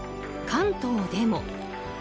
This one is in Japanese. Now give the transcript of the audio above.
関東でも。